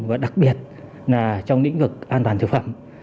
và đặc biệt là trong lĩnh vực an toàn thực phẩm